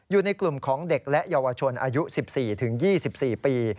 อยู่ในกลุ่มของเด็กและเยาวชนอายุ๑๔๒๔ปี